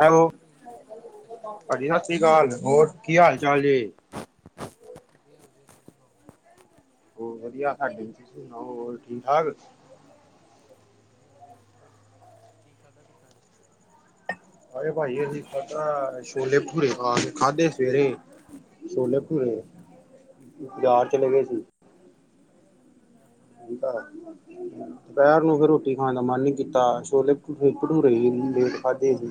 Hello ਭਾਈ ਸਤਿ ਸ਼੍ਰੀ ਅਕਾਲ ਭਾਈ ਭਾਜੀ ਸਤਿ ਸ਼੍ਰੀ ਅਕਾਲ ਹੋਰ ਕੀ ਹਾਲ ਚਾਲ ਜੇ। ਵਧੀਆ-ਵਧੀਆ ਤੁਸੀ ਸੁਣਾਓ। ਹੋਰ ਵਧੀਆ ਭਾਜੀ ਤੁਸੀ ਸੁਣਾਓ ਹੋਰ ਠੀਕ ਠਾਕ। ਵਧੀਆ-ਵਧੀਆ ਹੋਰ ਕੀ ਖਾਧਾ ਪੀਤਾ ਅੱਜ। ਅਰੇ ਭਾਈ ਅਸੀਂ ਪਤਾ ਛੋਲੇ ਭਟੂਰੇ ਪਾ ਕੇ ਖਾਧੇ ਸਵੇਰੇ ਛੋਲੇ ਭਟੂਰੇ। [inaudible] ਬਜ਼ਾਰ ਚਲੇਗੇ ਸੀ। [inaudible] [inaudible] ਦੁਪੈਰ ਨੂੰ ਫੇਰ ਰੋਟੀ ਖਾਨ ਦਾ ਮਨ ਨੀ ਕੀਤਾ, ਛੋਲੇ-ਭਠੂਰੇ, ਭਠੂਰੇ ਈ ਏਨੀ ਲੇਟ ਖਾਧੇ ਸੀ।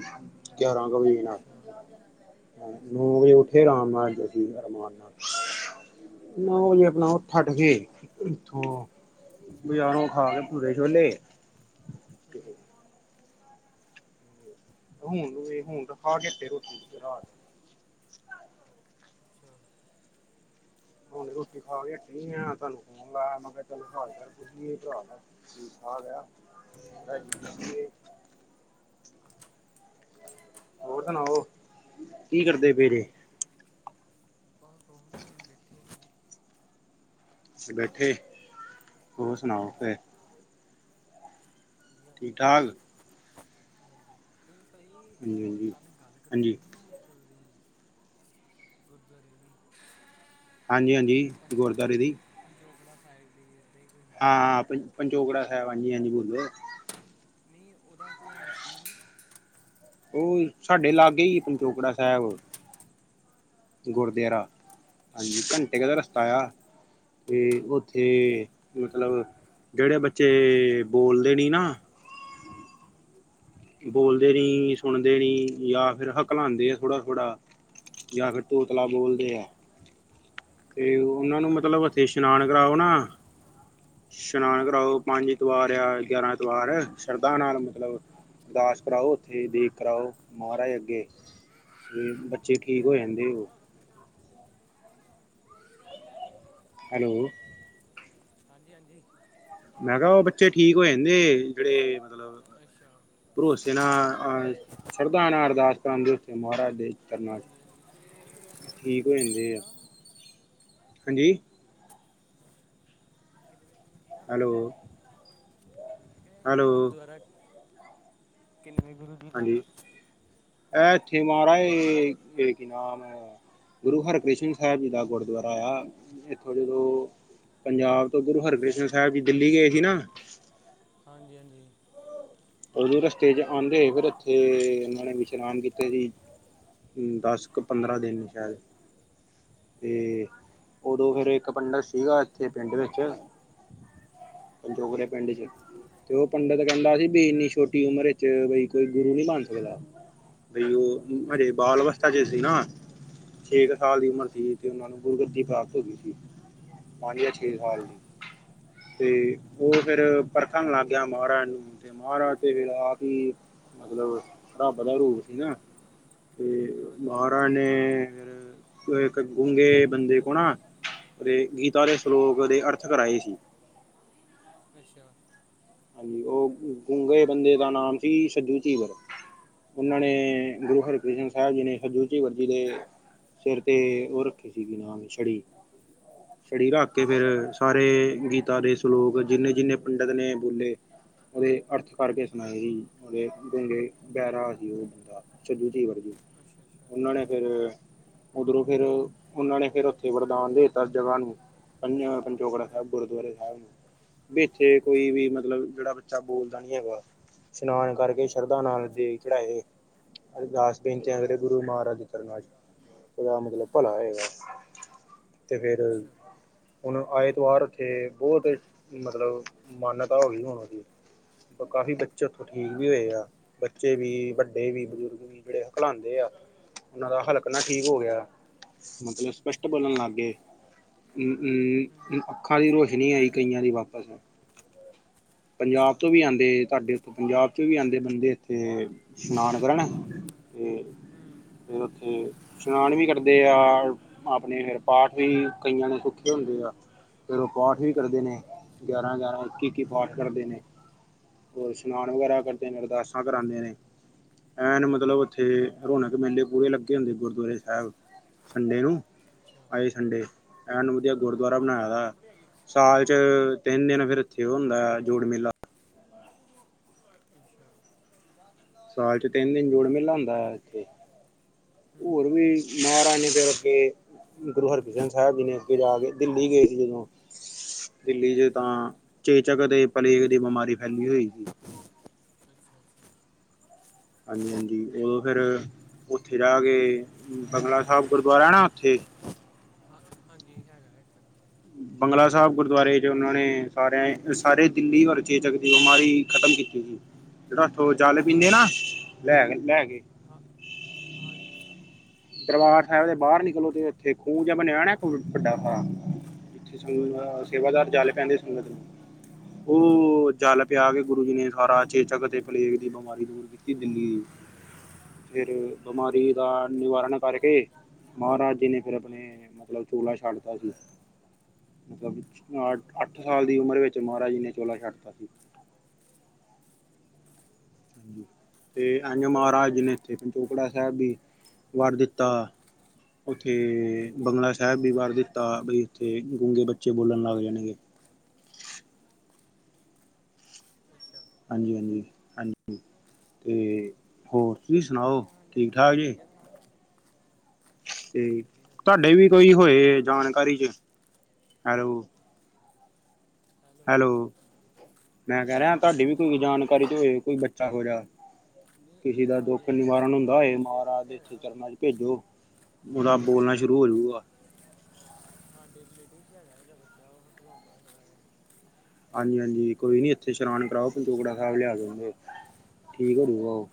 ਗਿਆਰਾਂ ਕੁ ਵਜੇ ਨਾਲ, ਅੱਛਾ ਨੌ ਅੱਛਾ ਵਜੇ ਉੱਠ [unintelligible] ਨੌ ਵਜੇ ਅਪਨਾ ਅੱਛਾ ਓੱਠ [unintelligible] ਇੱਥੋ ਬਜਾਰੋਂ ਖਾ ਲੇ ਭਠੂਰੇ-ਛੋਲੇ ਹੂੰ। [unintelligible] ਹੁਣ ਤਾਂ ਖਾ ਕੇੇ ਰੋਟੀ ਰਾਤ। [unintelligible] ਹੁਣ ਰੋਟੀ ਖਾ ਕੇ ਹਟੀ ਆ ਤੁਹਾਨੂੰ ਫੋਨ ਲਾਇਆ ਮੈਂ ਕਿਹਾ ਹਾਲ ਚਾਲ ਪੁੱਛ ਲਈਏ ਭਰਾ ਦਾ। ਠੀਕ ਠਾਕ ਆ ਹੂੰ ਹਾਂਜੀ। ਹੋਰ ਸੁਣਾਓ ਕੀ ਕਰਦੇ ਪਏ ਜੇ। ਬਹ ਦੋ ਮਿੰਟ ਹੁਣ ਬੈਠੇ ਸੀ। ਤੁਸੀਂ ਬੈਠੇ ਹੋਰ ਸੁਣਾਓ ਹਾਂਜੀ ਫੇਰ। ਠੀਕ ਠਾਕ। ਤੁਸੀ ਹਾਂਜੀ ਭਾਜੀ ਹਾਂਜੀ ਕੱਲ ਗੱਲ ਕਰਦੇ ਪੇ ਹਾਂਜੀ ਸੀ ਨਾ [unintelligible] ਗੁਰਦੁਆਰੇ ਦੀ। ਹਾਂਜੀ-ਹਾਂਜੀ ਗੁਰਦੁਆਰੇ ਵਈ। ਪੰਜੋਖਰਾ ਸਾਹਿਬ ਦੀ। ਹੀ ਕੋਈ ਨਾਮ ਹੀ ਹਾਂ ਪ ਪੰਜੋਖਰਾ ਸਾਹਿਬ ਹਾਂਜੀ-ਹਾਂਜੀ ਬੋਲੋ। ਨਹੀਂ, ਉਹਦਾ ਇਤਿਹਾਸ ਕੀ, ਉਹ ਸਾਡੇ ਲਾਗੇ ਹੀ ਪੰਜੋਖਰਾ ਸਾਹਿਬ। ਅੱਛਾ ਗੁਰਦਆਰਾ, ਹਾਂਜੀ ਘੰਟੇ ਦਾ ਰਸਤਾ ਆ, ਤੇ ਉੱਥੇ ਹਾਂਜੀ ਮਤਲਬ, ਜਿਹੜੇ ਬੱਚੇ ਬੋਲਦੇ ਨਹੀਂ ਨਾ, ਹੂੰ ਹੂੰ ਬੋਲਦੇ ਨੀ ਸੁਣਦੇ ਨੀ ਜਾਂ ਫਿਰ ਹਕਲਾਂਉਂਦੇ ਆ ਥੋੜ੍ਹਾ - ਥੋੜ੍ਹਾ, ਜਾਂ ਫਿਰ ਤੋਤਲਾ ਹਾਂਜੀ ਬੋਲਦੇ ਆ। ਤੇ ਉਹਨਾਂ ਨੂੰ ਮਤਲਬ ਓਥੇ ਇਸ਼ਨਾਨ ਕਰਾਓ ਨਾ। ਇਸ਼ਨਾਨ ਕਰਾਓ ਪੰਜ ਐਤਵਾਰ ਆ ਗਿਆਰਾਂ ਐਤਵਾਰ ਸ਼ਰਧਾ ਨਾਲ ਮਤਲਬ। ਅਰਦਾਸ ਕਰਾਓ ਉੱਥੇ ਦੇਗ ਕਰਾਓ ਮਹਾਰਾਜ ਅੱਗੇ। ਤੇ ਬੱਚੇ ਠੀਕ ਹੋ ਅੱਛਾ ਜਾਂਦੇ ਉਹ। ਹੈਲੋ। ਹਾਂਜੀ-ਹਾਂਜੀ। ਮੈਂ ਕਿਹਾ ਉਹ ਬੱਚੇ ਠੀਕ ਹੋ ਜਾਂਦੇ ਜਿਹੜੇ ਮਤਲਬ ਅੱਛਾ ਭਰੋਸੇ ਨਾਲ ਆਉਣ। ਸ਼ਰਧਾ ਨਾਲ ਅਰਦਾਸ ਕਰਨ ਦੇ ਉਹ ਮਹਾਰਾਜ ਦੇ। ਚਰਨਾਂ ਚ ਠੀਕ ਹੋ ਜਾਂਦੇ ਆ [unintelligible] ਹਾਂਜੀ। ਗੁਰੂ ਜੀ ਦਾ ਕਿੰਨਵੇਂ ਗੁਰੂ ਜੀ ਦਾ ਹੈਲੋ। ਮੈਂ ਕਿਹਾ ਹੈਲੋ ਗੁਰਦੁਆਰਾ, ਕਿੰਨਵੇਂ ਗੁਰੂ, ਜੀ ਦਾ ਹਾਂਜੀ, ਵਾ ਇਹ ਇੱਥੇ ਮਹਾਰਾਜ ਇਹ ਕੀ ਨਾਮ ਗੁਰੂ ਹਰਿਕ੍ਰਿਸ਼ਨ ਸਾਹਿਬ ਜੀ ਦਾ ਗੁਰਦੁਆਰਾ ਆ, ਇੱਥੋਂ ਜਦੋਂ ਪੰਜਾਬ ਤੋਂ ਗੁਰੂ ਅੱਛਾ ਹਰਗ੍ਰਿਸ਼ਨ ਹਾਂਜੀ ਸਾਹਿਬ ਜੀ ਦਿੱਲੀ ਗਏ ਸੀ ਨਾ। ਹਾਂਜੀ-ਹਾਂਜੀ। ਉਦੋਂ ਰਸਤੇ ਚ ਆਉਂਦੇ ਫਿਰ ਇੱਥੇ ਉਹਨਾਂ ਨੇ ਵਿਸ਼ਰਾਮ ਕੀਤੇ ਸੀ। ਦਸ ਕੁ ਅੱਛਾ ਪੰਦਰਾਂ ਦਿਨ ਸ਼ਾਇਦ, ਤੇ ਉਦੋਂ ਫੇਰ ਇੱਕ ਪੰਡਿਤ ਸੀਗਾ ਇੱਥੇ ਪਿੰਡ ਵਿੱਚ ਹਮ, ਪਜੌਖਰੇ ਪਿੰਡ ਚ, ਤੇ ਉਹ ਪੰਡਿਤ ਕਹਿੰਦਾ ਸੀ ਵੀ ਇੰਨੀ ਛੋਟੀ ਉਮਰ ਵਿਚ ਬਈ ਕੋਈ ਗੁਰੂ ਨੀ ਬਣ ਸਕਦਾ, ਬਈ ਉਹ ਹਜੇ ਅੱਛਾ ਬਾਲ ਤਾ ਚ ਸੀ ਨਾ ਛੇ ਕੁ ਸਾਲ ਦੀ ਉਮਰ ਹਾਂਜੀ ਸੀ। ਤੇ ਉਹਨਾਂ ਨੂੰ ਗੁਰਗੱਦੀ ਪ੍ਰਾਪਤ ਹੋ ਗਈ ਸੀ, ਪਾਣੀ ਦਾ ਛੇਦ ਹਾਲ ਸੀ। ਤੇ ਉਹ ਫੇਰ ਪਰਖਣ ਲੱਗ ਗਿਆ ਮਹਾਰਾਜ ਨੂੰ। ਤੇ ਮਹਾਰਾਜ ਤੇ ਫੇਰ ਆਪ ਹੀ ਮਤਲਬ ਰੱਬ ਦਾ ਰੂਪ ਹੀ ਹਾ। ਤੇ ਹਾਂਜੀ ਹਾਂਜੀ ਮਹਾਰਾਜ ਨੇ, ਇੱਕ ਗੁੰਗੇ ਬੰਦੇ ਕੋ ਨਾ ਤੇ ਗੀਤਾ ਦੇ ਸਲੋਕ ਦੇ ਅਰਥ ਕਰਾਏ ਸੀ। ਅੱਛਾ। ਹਾਂਜੀ, ਉਹ ਗੂੰਗੇ ਬੰਦੇ ਦਾ ਨਾਮ ਸੀ ਛੱਜੂ ਛਿਰ। [unintelligible] ਸਿਰ ਤੇ ਉਹ ਰੱਖੀ ਸੀਗੀ ਨਾਮ ਛੜੀ, ਛੜੀ ਰੱਖ ਕੇ ਫੇਰ ਅੱਛਾ ਸਾਰੇ ਗੀਤਾ ਦੇ ਸਲੋਕ ਜਿੰਨੇ-ਜਿੰਨੇ ਪੰਡਿਤ ਨੇ, ਉਹ ਨੇ ਅਰਥ ਪੜ੍ਹ ਕੇ ਸਣਾਏ ਸੀ, ਫਿਰ ਉਹ ਬੈਹਰਾ ਸੀ ਉਹ, [unintelligible] ਅੱਛਾ ਅੱਛਾ ਉਹਨਾਂ ਨੇ ਫੇਰ, ਉਧਰੋਂ ਫੇਰ ਉਹਨਾਂ ਨੇ ਫਿਰ ਉੱਥੇ ਵਰਦਾਨ ਦੇਤਾ ਜਗ੍ਹਾ ਨੂੰ ਪੰਜ ਪਚੋਕੜਾ ਸਾਹਿਬ ਹਮ ਗੁਰਦੁਆਰੇ ਸਾਹਿਬ ਨੂੰ, ਵੀ ਇਥੇ ਕੋਈ ਵੀ ਅੱਛਾ ਮਤਲਬ ਜਿਹੜਾ ਬੱਚਾ ਬੋਲਦਾ ਨੀ ਹੈਗਾ ਇਸ਼ਨਾਨ ਕਰਕੇ ਸ਼ਰਧਾ ਨਾਲ ਦੇਗ ਚੜਾੲੇ, ਅਰਦਾਸ ਬੇਨਤੀ ਆਗੇ ਗੁਰੂ ਮਹਾਰਾਜ ਦੇ ਚਰਨਾ ਚ ਉਹਦਾ ਮਤਲਬ ਭਲਾ ਹੈਗਾ। ਤੇ ਫੇਰ ਅੱਛਾ ਹੁਣ ਆਏਤਆਰ ਉੱਥੇ ਬਹੁਤ ਮਤਲਬ ਮਾਨਤਾ ਹੋ ਗਈ ਹੁਣ ਦੀ ਕਾਫ਼ੀ ਬੱਚੇ ਉੱਥੋਂ ਠੀਕ ਵੀ ਹੋਏ ਆ ਬੱਚੇ ਵੀ ਵੱਡੇ ਵੀ ਅੱਛਾ ਬਜ਼ੁਰਗ ਜਿਹੜੇ ਹਕਲਉਂਦੇ ਆ, ਉਹਨਾਂ ਦਾ ਹੱਲਕਨਾ ਠੀਕ ਹੋ ਗਿਆ। ਮਤਲਬ ਸਪਸ਼ਟ ਅੱਛਾ ਬੋਲਣ ਲਾਗੇ। ਹਮ ਅੱਖਾਂ ਦੀ ਰੋਸ਼ਨੀ ਆਈ ਕਈਆਂ ਦੀ ਵਾਪਸ। ਪੰਜਾਬ ਅੱਛਾ ਤੋਂ ਵੀ ਆਂਦੇ ਤੁਹਾਡੇ ਇੱਥੇ, ਪੰਜਾਬ ਚੋ ਵੀ ਆਂਦੇ ਬੰਦੇ ਇਥੇ ਇਸ਼ਨਾਨ ਕਰਨ। ਅੱਛਾ ਅੱਛਾ ਤੇ ਹਮ ਫੇਰ ਉੱਥੇ ਇਸ਼ਨਾਨ ਵੀ ਕਰਦੇ ਆ, ਆਪਣੇ ਫਿਰ ਪਾਠ ਵੀ ਕਈਆਂ ਦੇ ਸੁੱਖੇ ਹੁੰਦੇ ਆ। ਫੇਰ ਉਹ ਪਾਠ ਵੀ ਕਰਦੇ ਨੇ, ਗਿਆਰਾਂ- ਗਿਆਰਾਂ, ਇੱਕੀ- ਇੱਕੀ ਪਾਠ ਹਮ ਕਰਦੇ ਨੇ। ਹੋਰ ਇਸ਼ਨਾਨ ਵਗੈਰਾ ਕਰਦੇ ਨੇ, ਅਰਦਾਸਾਂ ਕਰਾਂਦੇ ਨੇ। ਐਨ ਮਤਲਬ ਉੱਥੇ ਰੌਣਕ ਮੇਲੇ ਪੂਰੇ ਲੱਗੇ ਹੁੰਦੇ ਗੁਰਦੁਆਰੇ ਸਾਹਿਬ। ਸੰਡੇ ਨੂੰ, ਅੱਛਾ ਆਏ ਸੰਡੇ ਐਨ ਵਧੀਆ। ਗੁਰਦੁਆਰਾ ਨਹੀਂ ਬਣਾਇਆ ਆਹ ਦਾ, ਬਰਫ਼ ਨਹੀਂ ਹੈਗੀ ਸਾਲ ਚ ਤਿੰਨ ਦਿਨ ਫੇਰ ਇੱਥੇ ਉਹ ਹੁੰਦਾ ਐ ਜੋੜ ਮੇਲਾ। ਅੱਛਾ ਸਾਲ ਚ ਤਿੰਨ ਦਿਨ ਜੋੜ ਮੇਲਾ ਹੁੰਦਾ ਐ ਇੱਥੇ, ਹੋਰ ਹਮ ਵੀ ਮਹਾਰਾਣੀ ਫਿਰ ਅੱਗੇ, ਗੁਰੂ ਹਰਕ੍ਰਿਸ਼ਨ ਸਾਹਿਬ ਜੀ ਨੇ ਅੱਗੇ ਜਾ ਕੇ, ਦਿੱਲੀ ਗਏ ਸੀ ਜਦੋਂ। ਦਿੱਲੀ ਚ ਤਾਂ ਹਮ ਚੇਚਕ ਤੇ ਪਲੇਗ ਦੀ ਬਿਮਾਰੀ ਫੈਲੀ ਹੋਈ ਸੀ। ਅੱਛਾ ਅੱਛਾ ਹਾਂਜੀ- ਹਾਂਜੀ, ਉਦੋਂ ਫਿਰ ਉੱਥੇ ਰਹਿ ਕੇ, ਬੰਗਲਾ ਸਾਹਿਬ ਗੁਰਦੁਆਰਾ ਨਾ ਉੱਥੇ। [unintelligible] ਹਾਂਜੀ, ਹੈਗਾ ਇੱਕ ਬੰਗਲਾ ਸਾਹਿਬ ਗੁਰਦੁਆਰੇ ਚ, ਉਹਨਾਂ ਨੇ ਸਾਰਿਆਂ ਸਾਰੇ ਦਿੱਲੀ ਅਰ ਚੇਚਕ ਦੀ ਬਿਮਾਰੀ ਖ਼ਤਮ ਕੀਤੀ ਸੀ। ਜਿਹੜਾ ਉੱਥੋ ਜਲ ਪੀਂਦੇ ਨਾ ਲੈ- ਲੈ ਕੇ। ਹਾਂ ਹਾਂਜੀ। ਦਰਬਾਰ ਸਾਹਿਬ ਦੇ ਬਾਹਰ ਨਿਕਲੋ, ਤੇ ਉੱਥੇ ਖੂਹ ਜਾ ਬਣਿਆ ਹੋਣਾ ਵੱਡਾ ਸਾਰਾ। ਇਥੇ ਹਾਂਜੀ ਇਹ ਸਵੇਰੇ ਬਣਿਆ ਸੇਵਾਦਾਰ ਜਲ ਪਿਆਂਦੇ ਸੰਗਤ ਨੂੰ। ਉਹ ਜਲ ਪਿਆ ਕੇ, ਗੁਰੂ ਜੀ ਨੇ ਸਾਰਾ ਚੇਚਕ ਅਤੇ ਪਲੇਗ ਦੀ ਬਿਮਾਰੀ ਦੂਰ ਕੀਤੀ ਦਿੱਲੀ ਦੀ, ਫੇਰ ਬਿਮਾਰੀ ਦਾ ਨਿਵਾਰਨ ਕਰਕੇ, ਮਹਾਰਾਜ ਜੀ ਨੇ ਫੇਰ ਹਾਂਜੀ ਆਪਣੇ ਮਤਲਬ ਚੋਲਾ ਛੱਡਤਾ ਸੀ। ਮਤਲਬ ਅੱਛਾ ਅਹ ਅੱਠ ਸਾਲ ਦੀ ਉਮਰ ਵਿੱਚ ਮਹਾਰਾਜ ਜੀ ਨੇ ਚੋਲਾ ਛੱਡਤਾ ਸੀ। ਅੱਛਾ ਹਾਂ ਤੇ ਇਹਨੇ ਮਹਾਰਾਜ ਜੀ ਨੇ ਇੱਥੇ ਪੰਚੋਕੜਾ ਸਾਹਿਬ ਵੀ ਵਰ ਦਿੱਤਾ। ਉੱਥੇ ਬੰਗਲਾ ਸਾਹਿਬ ਵੀ ਵਰ ਦਿੱਤਾ, ਵੀ ਉੱਥੇ ਗੂੰਗੇ ਬੱਚੇ ਬੋਲਣ ਲੱਗ ਜਾਣਗੇ। ਅੱਛਾ। ਹਾਂਜੀ- ਹਾਂਜੀ- ਹਾਂਜੀ, ਤੇ ਹੋਰ ਤੁਸੀਂ ਕਈ ਵਾਰੀ ਸੁਣਾਓ ਆ ਠੀਕ ਨਾ ਠਾਕ ਘਟੀ ਜੀ ਜਾਣ ਤੇ ਵਧੀਆ ਤੁਹਾਡੇ ਵੀ ਤੈਨੂੰ ਕੋਈ ਉੱਪਰੋਂ ਲਾਇਆ ਹੋਏ ਸੀ ਜਾਣਕਾਰੀ ਚ, ਹੈਲੋ। ਹੈਲੋ, ਮੈਂ ਕਹਿ ਰਿਹਾ ਤੁਹਾਡੀ ਵੀ ਹਾਂਜੀ ਕੋਈ ਜਾਣਕਾਰੀ ਚ ਹੋਏ ਕੋਈ ਬੱਚਾ ਇਹੋ ਜਾ। ਨਹੀਂ ਕਿਸੇ ਦਾ ਦੁੱਖ ਸਾਡੇ ਵੀ ਇੱਕ ਨਿਵਾਰਨ ਹੁੰਦਾ ਹੋਏ ਰਿਲੇਟਿਵ- ਰਿਲੇਟਿਵ ਮਹਾਰਾਜ ਚ ਦੇ ਇੱਥੇ ਹੈਗਾ ਹੋਇਆ। ਚਰਨਾਂ ਚ ਭੇਜੋ, ਉਹਦਾ ਬੋਲਣਾ ਸ਼ੁਰੂ ਹੋਜੂਗਾ। [unintelligible] ਹਾਂ ਸਾਡੇ ਰਿਲੇਟਿਵ ਚ ਹੈਗਾ ਜਿਹੜਾ ਬੱਚਾ ਉਹ ਖਲੋਂਦਾ ਥੋੜਾ ਹੈ। ਹਾਂਜੀ ਹਾਂਜੀ ਕੋਈ ਨੀ ਇੱਥੇ ਸ਼ਸ਼ਨਾਨ ਕਰਾਓ, ਪੰਚੋਕੜਾ ਸਾਹਿਬ ਲਿਆ ਕੇ ਉਹਨੂੰ, ਠੀਕ ਹੋ ਜਾਊਗਾ ਉਹ।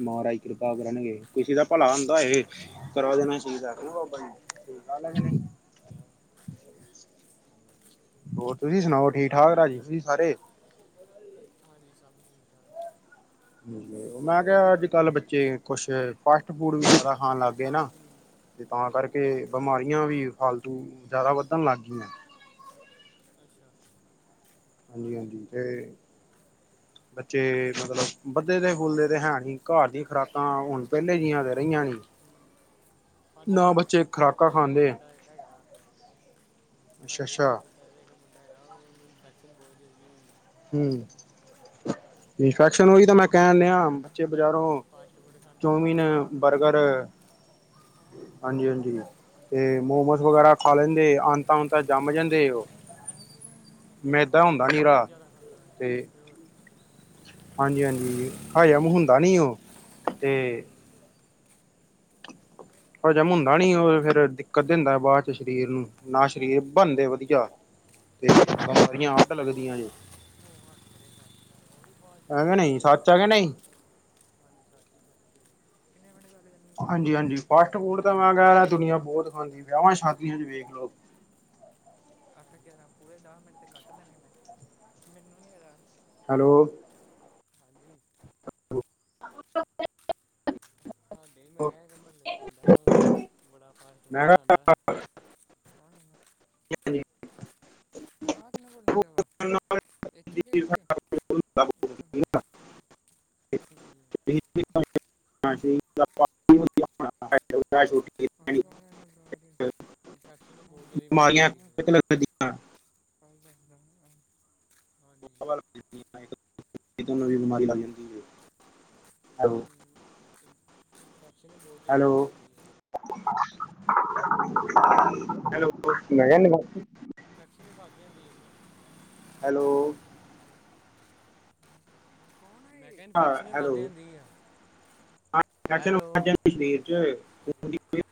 ਮਹਾਰਾਜ ਕਿਰਪਾ ਕਰਨਗੇ, ਕਿਸੇ ਦਾ ਭਲਾ ਹੁੰਦਾ ਏ। ਹਾਂਜੀ ਕਰਵਾ ਦੇਣਾ ਠੀਕ ਬਾਬਾ ਕ [inaudible] ਕਿਹਾ ਹੋਰ ਤੁਸੀਂ ਅੱਛਾ ਸੁਣਾਓ, ਠੀਕ- ਠਾਕ, ਰਾਜੀ ਤੁਸੀਂ ਸਾਰੇ। ਹਾਂਜੀ, ਸਭ ਠੀਕ- ਠਾਕ। ਉਹ ਮੈਂ ਕਿਹਾ ਅੱਜ- ਕੱਲ੍ਹ ਬੱਚੇ ਕੁਛ ਫਾਸਟ ਫੂਡ ਵੀ ਜ਼ਾਦਾ ਖਾਣ ਲੱਗ ਗੇ ਨਾ, ਹੂੰ ਤੇ ਤਾਂ ਕਰਕੇ ਹਾਂਜੀ ਬਿਮਾਰੀਆਂ ਵੀ ਫਾਲਤੂ ਜ਼ਿਆਦਾ ਵੱਧਣ ਲਾਗੀਆਂ। ਅੱਛਾ। ਹਾਂਜੀ- ਹਾਂਜੀ ਤੇ ਬੱਚੇ ਮਤਲਬ ਵਧਦੇ ਤੇ ਫੁਲਦੇ ਤੇ ਹੈ ਨੀ, ਘਰ ਦੀਆਂ ਖੁਰਾਕਾਂ ਹੁਣ ਪਹਿਲੇ ਜਿਹੀਆਂ ਤੇ ਰਹੀਆਂ ਨੀ। [unintelligible] ਹੂੰ ਸਾਡੇ ਨਾ ਬੱਚੇ ਚਾਚੇ ਖੁਰਾਕਾਂ ਤਾਏ ਦਾ ਖਾਂਦੇ ਮੁੰਡਾ ਇੱਕ ਹੈਗਾ, ਸਾਡੇ ਅੱਛਾ-ਅੱਛਾ ਚਾਚੇ ਸਾਡੇ ਇੱਕ ਮੁੰਡਾ ਹੈਗਾ, ਉਹਨੂੰ ਇਨਫੈਕਸ਼ਨ ਬਹੁਤ ਜਲਦੀ ਹੋਈ ਗੀ। ਹੂੰ, ਉਹ ਵੀ ਇਨਫੈਕਸ਼ਨ ਜ਼ਿਆਦਾ ਹੋਗੀ, ਤਾਂ ਮੈਂ ਫਾਸਟ ਫੂਡ ਕਹਿਣ ਲਿਆ ਖਾਂਦਾ ਬੱਚੇ ਬਜ਼ਾਰੋਂ ਫਾਸਟ ਫੂਡ ਖਾਂਦਾ ਹੋਰ ਚੌਮੀਨ, ਬਰਗਰ ਹਾਂਜੀ-ਹਾਂਜੀ [unintelligible] ਤੇ ਮੋਮੋਸ ਇੱਧਰ ਆ ਵਗੈਰਾ ਖਾ ਲੈਂਦੇ, ਆਂਤਾ ਉਤ ਜੰਮ ਜਾਂਦੇ ਉਹ [unintelligible] ਉਹ ਵੀ ਮੈਂ ਦਾਂ ਫਾਸਟ ਹੁੰਦਾ ਫੂਡ ਨਾ ਬਹੁਤ ਰਾਹ ਜ਼ਿਆਦਾ ਖਾਂਦਾ ਹੈ ਤੇ [unintelligible] ਹਾਂਜੀ-ਹਾਂਜੀ, ਹਜਮ ਹੁੰਦਾ ਨੀ ਉਹ ਤੇ, ਪਰਜਮ ਹੁੰਦਾ ਨੀ ਉਹ ਫੇਰ ਦਿੱਕਤ ਦ ਹਿੰਦਾ ਬਾਅਦ ਚ ਸਰੀਰ ਨੂੰ ਨਾ ਸਰੀਰ ਉਹ ਉਹ ਬਣਦੇ ਵਧੀਆ। ਤੇ ਸਾਰ ਆਟ ਲੱਗਦੀਆਂ, ਹੱਥ ਕਰੇਗਾ ਉਹ ਵੀ ਫਾਸਟ ਹੈਗੇ ਫੂਡ ਬਹੁਤ ਨਹੀਂ। ਜ਼ਿਆਦਾ ਸਚ ਖਾਂਦੇ ਹੈਗੇ ਉਹ ਨਹੀਂ? ਵੀ [unintelligible] ਕਿੰਣੇ ਮੈਂਡ ਗੱਲਦੇ, ਹਾਂਜੀ-ਹਾਂਜੀ, ਫਾਸਟ ਫੂਡ ਤਾਂ ਮੈਂ ਕਹਿ ਰਿਹਾ ਦੁਨੀਆਂ ਬਹੁਤ ਪਹਿਲਾਂ ਖਾਂਦੀ ਫਿਰ ਵਿਆਹਾਂ ਸ਼ਾਦੀਆਂ ਚ ਵੇਖ ਲਓ। ਅਟ ਕੇ ਪੂਰੇ ਦਸ ਮਿੰਟ ਤੇ ਕੱਟ ਦੇਣੇੇ ਮੈਨੂੰ ਨੀ ਇਹਦਾ ਹੈਲੋ। ਹਾਂਜੀ। [unintelligible] ਆਡੇ ਹੀ ਮੈਂ ਕਿਹਾ, ਇੱਕ ਮਹੱਲੇ ਮੁੰਡਾ ਬੜਾ ਫਾਸਟ ਮੈਂ ਫੂਡ ਕਿਹਾ ਖਾਂਦਾ। ਆਹ ਆਹ ਕਿੰਨੇ ਬੋਲ ਹਦੇ ਵਾ [unintelligible] [unintelligible] ਕੌਣ ਇਹਨਾਂ ਬਰਾੜ [unintelligible] ਇਨਫੈਕਸ਼ਨ ਬਹੁਤ ਜ਼ਿਆਦਾ ਵੱਧਦੀ ਬਿਮਾਰੀਆਂ ਹੁੰਦੀ। ਲੱਗਦੀਆਂ, ਹੋ ਜਾਦਾ। ਬਿਮਾਰੀ ਜਾਂਦੀ ਹੈ। ਇਨਫੈਕਸ਼ਨ ਵੀ ਬਹੁਤ ਹੈਲੋ ਜ਼ਿਆਦਾ ਵੱਧ ਜਾਂਦੀ ਹੈ। [unintelligible] ਹੈਲੋ ਇੰਫੈਕਸ਼ਨ ਵੀ ਵੱਧ ਹੁੰਦੀ। [unintelligible] ਹੈਲੋ। ਹਾਂ ਇਨਫੈਕਸ਼ਨ ਵੀ ਵੱਧਦੀ ਹੁੰਦੀ ਆ। ਸ਼ਰੀਰ ਚ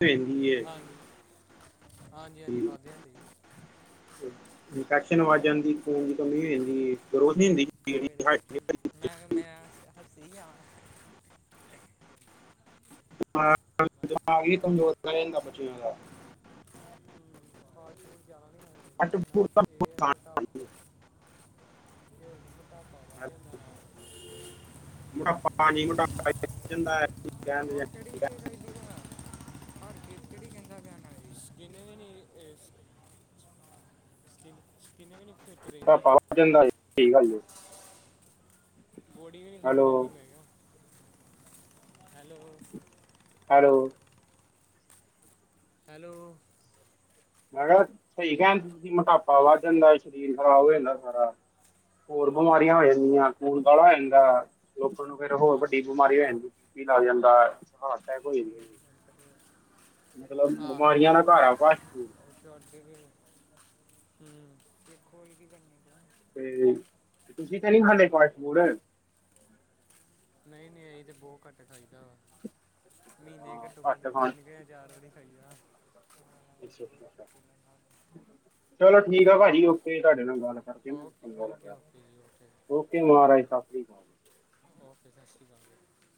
ਰਹਿੰਦੀ ਹੈ। ਹਾਂਜੀ-ਹਾਂਜੀ ਵੱਧ ਹੁੰਦੇ, ਇਨਫੈਕਸ਼ਨ ਵਾਜ ਜਾਂਦੀ ਖੂਨ ਦੀ ਕਮੀ ਹੋ ਜਾਂਦੀ, ਗਰੋਸ ਨੀ ਹੁੰਦੀ। ਜਿਹੜੀ ਗਰੇ ਮੈਂ ਕਿਹਾ ਮੇਰਾ ਸੀ ਆਵਾਂ, ਮੈਂ ਆਪਣਾ ਫਾਸਟ [unintelligible] ਫਾਸਟਫੂਡ ਜ਼ਿਆਦਾ ਨਹੀਂ ਖਾਣੇ ਚਾਹੀਦਾ, ਅੱਟ ਫੁੱਟ ਦਾ ਇਨਾ ਇਹ ਹੈ ਨੁਕਸਾਨ ਮਟਾਪ ਤੇ ਉਹਨੂੰ ਮੋਟਾਪਾ ਹੈ। ਵੱਧ ਜਾਂਦਾ [unintelligible] ਮੋਟਾਪਾ ਪਾਣੀ ਮੋਟਾਪਾ ਜਾਂਦਾ [unintelligible] ਉਹ [unintelligible] ਪਰ ਕ੍ਰਿਕਟ ਹੀ ਗਿਦਾ ਪਿਆ, ਗਿਨਦੇ ਵੀ ਨਹੀਂ ਸਕਿਨ, ਸਕਿੰਨ ਵੀ ਨਹੀਂ ਫਿੱਟ ਰਹਿੰਦੀ। ਮੋਟਾਪਾ ਵੱਧ ਜਾਂਦਾ ਹੈ ਸਹੀ ਗੱਲ ਹੈ ਬੋਡੀ ਵੀ ਨਹੀਂ ਫਿੱਟ ਹੈਲੋ ਰਹਿੰਦੀ ਮੈਂ ਕਿਹਾ [unintelligible] ਹੈਲੋ। [unintelligible] ਹੈਲੋ। ਹੈਲੋ। ਮੈਂ ਕਿਹਾ ਸਹੀ ਕਹਿਣ ਮੋਟਾਪਾ ਵੱਧ ਜਾਂਦਾ ਸਰੀਰ ਖਰਾਬ ਹੋ ਜਾਂਦਾ ਸਾਰਾ। ਹੋਰ ਬਿਮਾਰੀਆਂ ਹੋ ਜਾਂਦੀਆਂ ਖੂਨ ਗਾੜਾ ਹੋ ਜਾਂਦਾ। ਲੋਕਾਂ ਨੂੰ ਫੇਰ ਹੋਰ ਵੱਡੀ ਹਾਂਜੀ ਬਿਮਾਰੀ ਹੋ ਜਾਂਦੀ ਕਿ ਕੀ ਲੱਗ ਜਾਂਦਾ ਹਾਰਟਅਟੈਕ ਹੋਈ। ਮੇਰੀ ਗੱਡੀ ਕੰਪਨੀ ਮਤਲਬ ਬਿਮਾਰੀਆਂ ਦਾ ਘਰ ਆ ਵ ਸਾਡੇ ਵੀ ਦੇਖੋ ਇਹ ਵੀ ਕਰਨੀ ਬਣਾ ਤੇ ਤੁਸੀਂ ਤਾਂ ਨਹੀ ਹਲੇ [unintelligible] ਨਹੀਂ ਨਹੀਂ ਅਸੀਂ ਤਾਂ ਬਹੁਤ ਘੱਟ ਖਾਹੀਦਾ ਵਾ ਮਹੀਨੇ ਹਾਂ ਘੱਟੋ, ਘੱਟ ਖਾਣ ਤਿੰਨ ਕੁ ਜਾਂ ਚਾਰ ਵਾਰੀ ਖਾਈ ਦਾ। ਅ ਚਲੋ ਠੀਕ ਆ ਭਾਜੀ ਓਕੇ ਤੁਹਾਡੇ ਨਾਲ ਓਕੇ ਓਕੇ ਗ ਓਕੇ ਜੀ ਓਕੇ ਓਕੇ ਮਹਾਰਾਜ ਸਤਿ ਸ੍ਰੀ ਅਕਾਲ। ਓਕੇ ਸਤਿ ਸ਼੍ਰੀ ਅਕਾਲ ਜੀ।